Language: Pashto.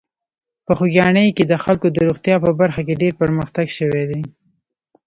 په خوږیاڼي کې د خلکو د روغتیا په برخه کې ډېر پرمختګ شوی دی.